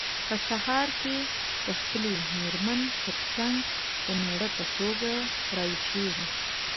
په سهار کې د خپلې مېرمن ترڅنګ د مېړه په توګه راویښیږي.